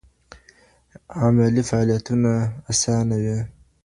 عملي فعالیتونه اسانه وي.